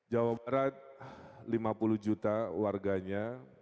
jawa barat lima puluh juta warganya